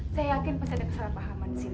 saya yakin pasti ada kesalahpahaman disini